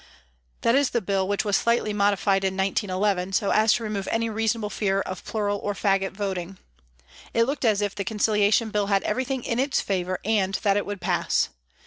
That is the Bill which was slightly modified in 1911, so as to remove any reasonable fear of plural or faggot voting. It looked as if the Conciliation Bill had everything in its favour and that it would pass.